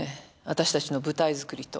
私たちの舞台作りと。